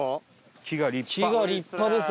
木が立派です